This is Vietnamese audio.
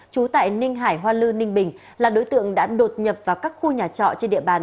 trú tại ninh hải hoa lư ninh bình là đối tượng đã đột nhập vào các khu nhà trọ trên địa bàn